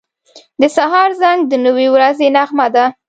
• د سهار زنګ د نوې ورځې نغمه ده.